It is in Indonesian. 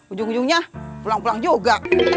ujung ujungnya pulang pulang juga